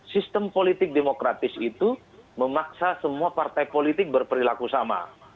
sistem politik demokratis itu memaksa semua partai politik berperilaku sama